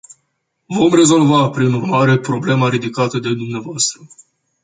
Vom rezolva, prin urmare, problema ridicată de dvs.